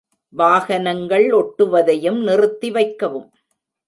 வாகனங்கள் ஒட்டுவதையும் நிறுத்தி வைக்கவும்.